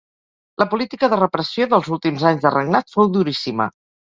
La política de repressió dels últims anys de regnat fou duríssima.